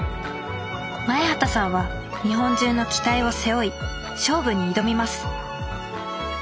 前畑さんは日本中の期待を背負い勝負に挑みます